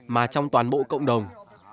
mà trong toàn bộ cộng đồng